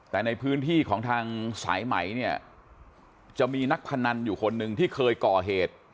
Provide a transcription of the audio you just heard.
แต่ในพื้นที่ของทางสายไหมเนี่ยจะมีนักพนันอยู่คนหนึ่งที่เคยก่อเหตุ